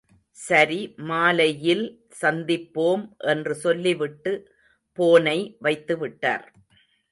சரி மாலையில் சந்திப்போம் என்று சொல்லிவிட்டு போனை வைத்துவிட்டார்.